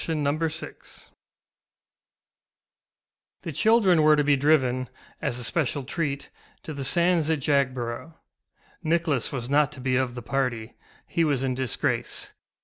THE LUMBER ROOM The children were to be driven, as a special treat, to the sands at Jagborough. Nicholas was not to be of the party; he was in disgrace.